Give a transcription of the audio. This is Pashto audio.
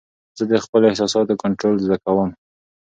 زه د خپلو احساساتو کنټرول زده کوم.